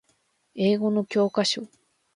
英語の教科書